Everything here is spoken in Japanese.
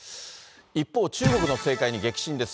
一方、中国の政界に激震です。